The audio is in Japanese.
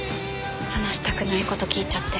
話したくないこと聞いちゃって。